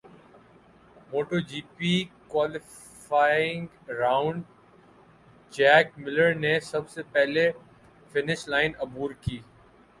motto G P qualifying round Jack Miller نے سب سے پہلے فنش لائن عبور کی